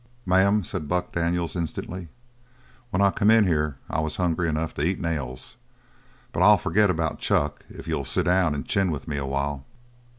"Ma'am," said Buck Daniels instantly, "when I come in here I was hungry enough to eat nails; but I'll forget about chuck if you'll sit down an' chin with me a while."